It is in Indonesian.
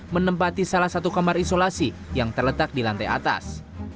menempati salah satu kamar isolasi yang terletak di lantai atas